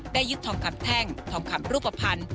ยึดทองคำแท่งทองคำรูปภัณฑ์